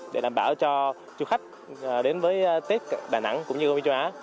để đảm bảo cho du khách đến với tết đà nẵng cũng như công viên châu á